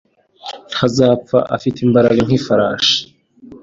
Ntazapfa. Afite imbaraga nk'ifarashi.